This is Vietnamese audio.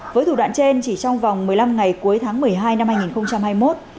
với thủ đoạn trên chỉ trong vòng một mươi năm ngày cuối tháng một mươi hai năm hai nghìn hai mươi một